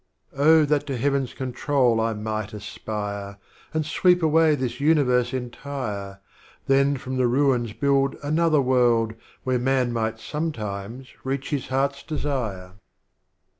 Till. Oh that to Heaven's Control I might aspire. And sweep away this Universe Entire, Then from the Ruins build Another World, Where Man might sometimes reach his Heart's Desire!